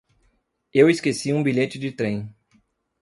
Eu esqueci um bilhete de trem.